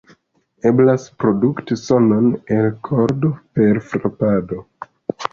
Eblas produkti sonon el kordo per frapado.